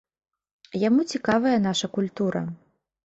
Яму цікавая наша культура.